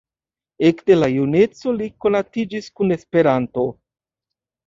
Ekde la juneco li konatiĝis kun Esperanto.